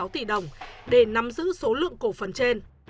một sáu trăm bốn mươi sáu tỷ đồng để nắm giữ số lượng cổ phần trên